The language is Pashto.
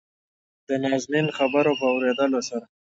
دنازنين خبرو په اورېدلو سره